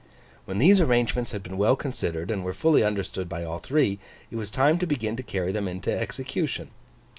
When these arrangements had been well considered and were fully understood by all three, it was time to begin to carry them into execution.